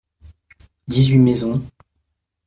Dix-huit maisons.